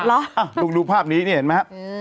ลองดูภาพนี้นี่เห็นไหมครับ